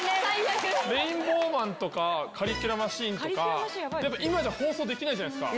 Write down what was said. レインボーマンとか、カリキュラマシーンとか、やっぱ今じゃ放送できないじゃないですか。